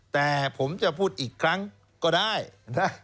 แต่ผมจะพูดอีกครั้งก็ได้นะ